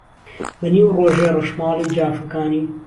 بهنیو رۆژێ رهشماڵی جافهکانی